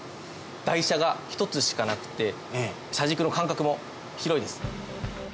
台車が１つしかなくて車軸の間隔も広いです。